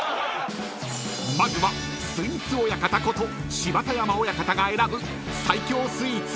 ［まずはスイーツ親方こと芝田山親方が選ぶ］